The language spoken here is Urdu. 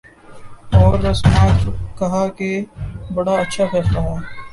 اور رسما کہا کہ بڑا اچھا فیصلہ ہے۔